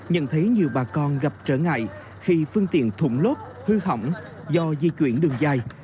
nhận thấy nhiều bà con gặp trở ngại khi phương tiện thụn lốp hư hỏng do di chuyển đường dài